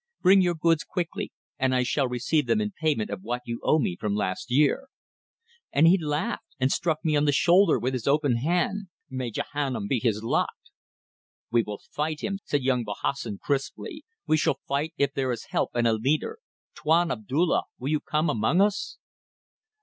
Bring your goods quickly, and I shall receive them in payment of what you owe me from last year.' And he laughed, and struck me on the shoulder with his open hand. May Jehannum be his lot!" "We will fight him," said young Bahassoen, crisply. "We shall fight if there is help and a leader. Tuan Abdulla, will you come among us?"